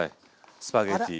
スパゲッティ。